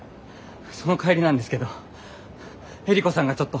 その帰りなんですけどエリコさんがちょっと。